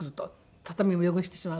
畳も汚してしまうと。